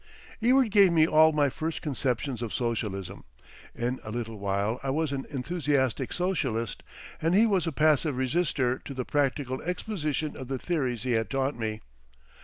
Ewart gave me all my first conceptions of socialism; in a little while I was an enthusiastic socialist and he was a passive resister to the practical exposition of the theories he had taught me.